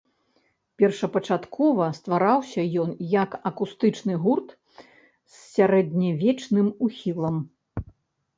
Першапачаткова ствараўся ён як акустычны гурт з сярэднявечным ухілам.